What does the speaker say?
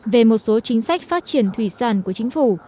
về một số chính sách phát triển thủy sản của chính phủ